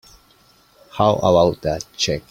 How about that check?